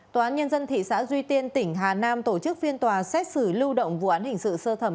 tòa án nhân dân thị xã duy tiên tỉnh hà nam tổ chức phiên tòa xét xử lưu động vụ án hình sự sơ thẩm